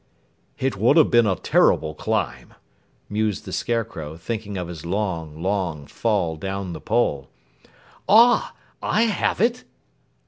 "It would have been a terrible climb," mused the Scarecrow, thinking of his long, long fall down the pole. "Ah, I have it!"